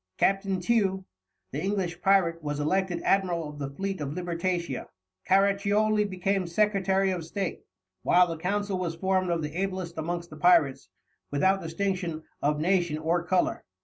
Captain Tew, the English pirate, was elected Admiral of the Fleet of Libertatia, Caraccioli became Secretary of State, while the Council was formed of the ablest amongst the pirates, without distinction of nation or colour.